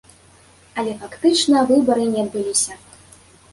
Але фактычна выбары не адбыліся.